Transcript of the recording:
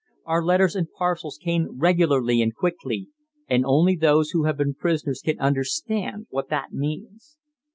Our letters and parcels came regularly and quickly, and only those who have been prisoners can understand what that means.